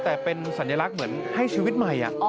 แต่เป็นสัญลักษณ์เหมือนให้ชีวิตใหม่